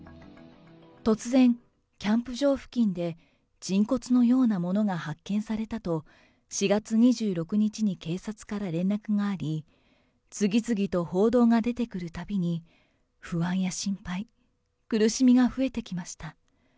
突然、キャンプ場付近で、人骨のようなものが発見されたと、４月２６日に警察から連絡があり、次々と報道が出てくるたびに不安や心配、苦しみが増えてきました。